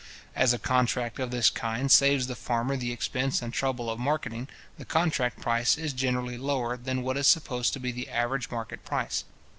As a contract of this kind saves the farmer the expense and trouble of marketing, the contract price is generally lower than what is supposed to be the average market price.